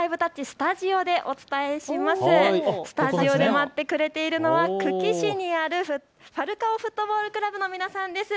スタジオで待ってくれているのは久喜市にあるファルカオフットボールクラブの皆さんです。